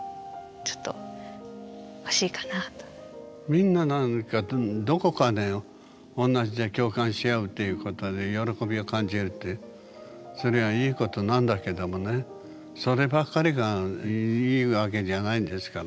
みんななんかどこかで同じで共感し合うっていうことに喜びを感じるってそれはいいことなんだけどもねそればっかりがいいわけじゃないんですからね。